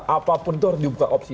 apapun itu harus dibuka opsi